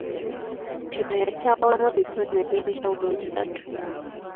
Kino yakyawulamu ebitundu eby'enjawulo bisatu.